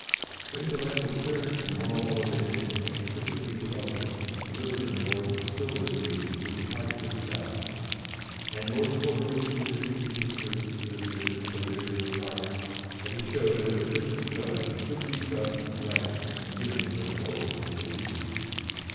For intellectual clearness and moral elevation this exquisite piece of eloquence, delivered in a voice of silvery beauty, would be hard to excel, and Lord Coleridge did this piece of service to the religion so dear to his heart, that he showed that a Christian judge could be just and righteous in dealing with a foe of his creed.